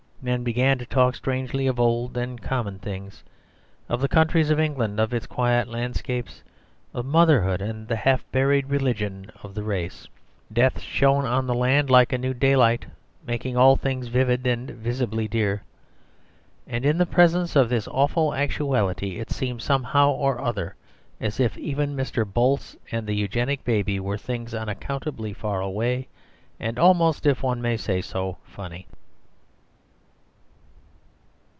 Men began to talk strangely of old and common things, of the counties of England, of its quiet landscapes, of motherhood and the half buried religion of the race. Death shone on the land like a new daylight, making all things vivid and visibly dear. And in the presence of this awful actuality it seemed, somehow or other, as if even Mr. Bolce and the Eugenic baby were things unaccountably far away and almost, if one may say so, funny.